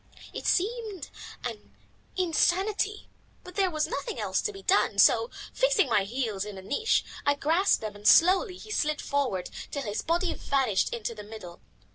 It seemed an insanity, but there was nothing else to be done, so, fixing my heels in a niche, I grasped them and slowly he slid forward till his body vanished to the middle.